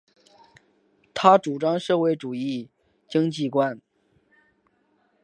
他主张社会主义的经济观。